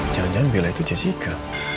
jangan jangan bila itu jessica